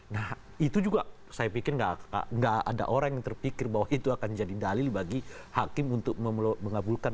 nah itu juga saya pikir nggak ada orang yang terpikir bahwa itu akan jadi dalil bagi hakim untuk mengabulkan